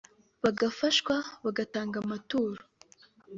bagafashwa bagatanga amaturo